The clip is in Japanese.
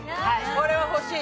これは欲しい。